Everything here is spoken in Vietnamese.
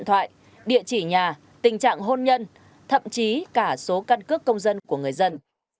tình trạng hôn nhân thậm chí cả số căn cước công dân của người dân